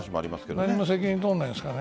何も責任取らないんですかね